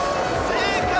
正解。